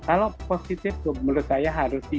kalau positif menurut saya harusnya di pcr